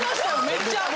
めっちゃ。